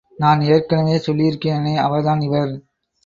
நான் ஏற்கனவே சொல்லியிருக்கிறேனே அவர்தான் இவர்.